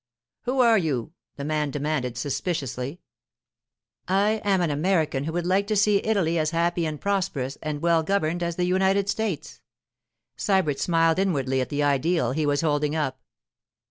'Who are you?' the man demanded suspiciously. 'I am an American who would like to see Italy as happy and prosperous and well governed as the United States.' Sybert smiled inwardly at the ideal he was holding up.